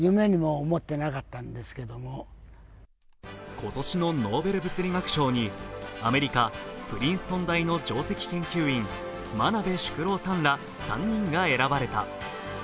今年のノーベル物理学賞にアメリカ・プリンストン大の上席研究員、真鍋淑郎さんら３人が選ばれた。